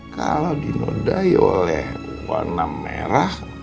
kalau dinodai oleh warna merah